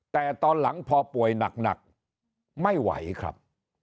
แต่ตอนหลังพอป่วยหนักไม่ไหวครับ